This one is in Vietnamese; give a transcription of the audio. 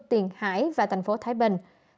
tiền hải và thành phố thái bình